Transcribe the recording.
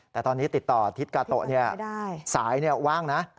แต่ตอนนี้ติดต่อทิศกาโตะสายว่างนะ